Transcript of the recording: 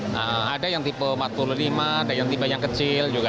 nah ada yang tipe empat puluh lima ada yang tipe yang kecil juga